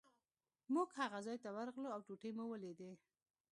موږ هغه ځای ته ورغلو او ټوټې مو ولیدې.